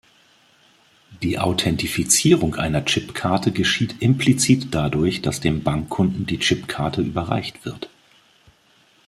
Die Authentifizierung einer Chipkarte geschieht implizit dadurch, dass dem Bankkunden die Chipkarte überreicht wird.